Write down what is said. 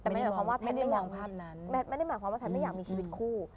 แต่ไม่ได้หมายความว่าแพทย์ไม่อยากมีชีวิตคู่